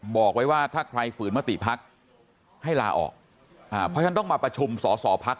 บอกไว้ว่าถ้าใครฝืนมติพักให้ลาออกอ่าเพราะฉะนั้นต้องมาประชุมสอสอพัก